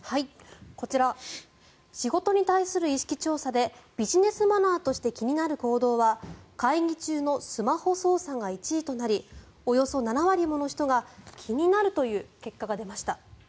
こちら仕事に対する意識調査でビジネスマナーとして気になる行動は会議中のスマホ操作が１位となりおよそ７割もの人が気になるという結果が出ました。